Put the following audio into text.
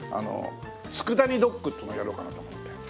佃煮ドッグっていうのをやろうかなと思って。